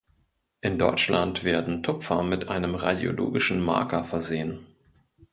In Deutschland werden Tupfer mit einem radiologischen Marker versehen.